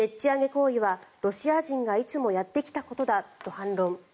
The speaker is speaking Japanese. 行為はロシア人がいつもやってきたことだと反論。